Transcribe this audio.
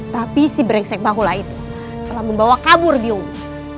tapi si brengsek bahula itu telah membawa kabur biungmu